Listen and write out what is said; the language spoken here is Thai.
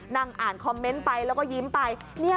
นั่งอ่านคอมเมนต์ไปแล้วก็ยิ้มไป